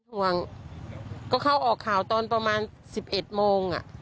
ห่วงก็เขาออกข่าวตอนประมาณสิบเอ็ดโมงอ่ะ